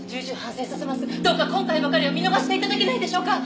どうか今回ばかりは見逃して頂けないでしょうか？